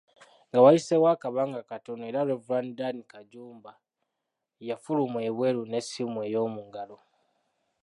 Nga wayiseewo akabanga katono era, Rev. Dan Kajumba, yafuluma ebweru n’essimu eyomungalo